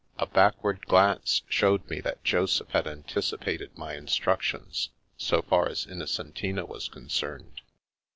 A back ward glance showed me that Joseph had anticipated my instructions, so far as Innocentina was con cerned.